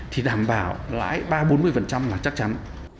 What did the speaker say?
thì đảm bảo lãi ba bốn mươi là chắc chắn